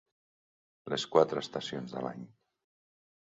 Les quatre estacions de l'any.